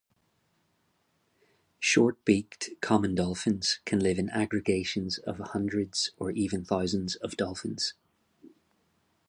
Short-beaked common dolphins can live in aggregations of hundreds or even thousands of dolphins.